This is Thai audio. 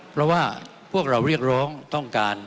เพราะว่าพวกเราเรียกร้องต้องการ